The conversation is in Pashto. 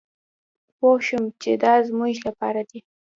پوه شوم چې دا زمونږ لپاره دي.